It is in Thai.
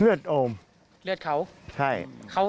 เลือดโอมเลือดเขาใช่